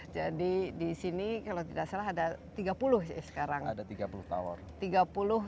jadi di sini kalau tidak salah ada tiga puluh sekarang ada tiga puluh tower